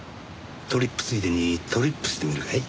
トリップついでにトリップしてみるかい？